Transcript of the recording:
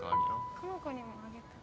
この子にもあげたら。